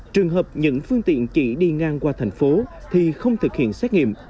trường hợp những phương tiện chỉ đi ngang qua thành phố thì không thực hiện xét nghiệm